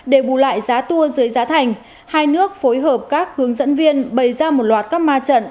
để bù lại giá tour dưới giá thành hai nước phối hợp các hướng dẫn viên bày ra một loạt các ma trận